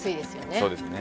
そうですね。